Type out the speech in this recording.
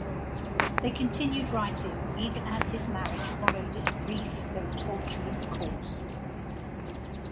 They continued writing even as his marriage followed its brief though tortuous course.